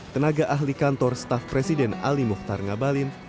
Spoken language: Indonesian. tenaga ahli kantor staf presiden ali muhtar ngabalin